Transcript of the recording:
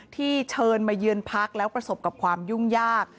ที่เชิญมาเยือนพักแล้วประสบกับความยุ่งยาก